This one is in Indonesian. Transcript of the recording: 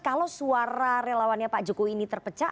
kalau suara relawannya pak jokowi ini terpecah